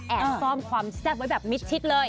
ซ่อมความแซ่บไว้แบบมิดชิดเลย